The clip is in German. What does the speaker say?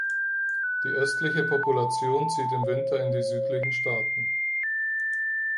Die östliche Population zieht im Winter in die südlichen Staaten.